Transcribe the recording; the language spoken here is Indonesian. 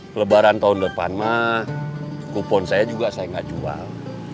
kelebaran tahun depan mah kupon saya juga saya nggak jual